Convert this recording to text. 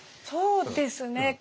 そうですね。